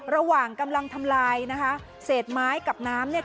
ระหว่างกำลังทำลายนะคะเศษไม้กับน้ำเนี่ย